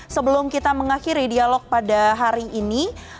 sebelum kita mengakhiri dialog pada hari ini